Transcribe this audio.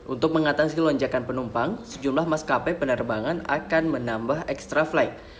untuk mengatasi lonjakan penumpang sejumlah maskapai penerbangan akan menambah ekstra flight